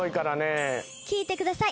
聴いてください。